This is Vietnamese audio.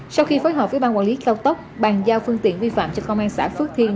sau khi phối hợp với ban quản lý cao tốc bàn giao phương tiện vi phạm cho công an xã phước thiên